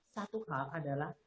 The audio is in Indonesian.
satu hal adalah